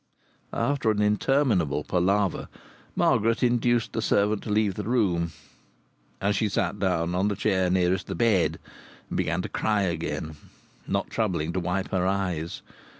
After an interminable palaver Margaret induced the servant to leave the room. And she sat down on the chair nearest the bed, and began to cry again, not troubling to wipe her eyes.